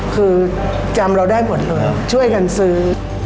คือจำเราได้หมดเลยช่วยกันซื้อ